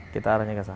kita arahnya ke sana